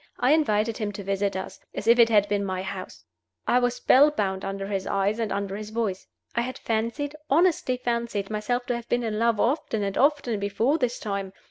I invited him to visit us, as if it had been my house; I was spell bound under his eyes and under his voice. I had fancied, honestly fancied, myself to have been in love often and often before this time.